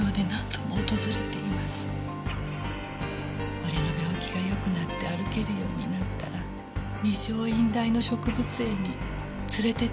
俺の病気がよくなって歩けるようになったら二条院大の植物園に連れてってくれって。